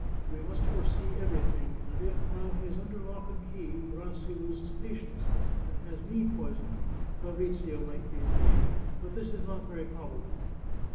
We must foresee everything, and if, while he is under lock and key, Rassi loses patience, and has me poisoned, Fabrizio might be in danger. But this is not very probable.